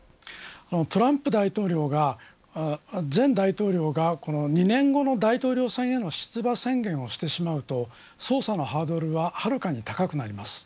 トランプ大統領が前大統領が２年後の大統領選への出馬宣言をしてしまうと捜査のハードルがはるかに高くなります。